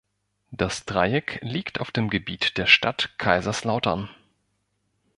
Das Dreieck liegt auf dem Gebiet der Stadt Kaiserslautern.